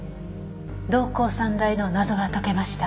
瞳孔散大の謎が解けました。